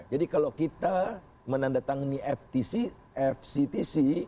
jadi kalau kita menandatangani fctc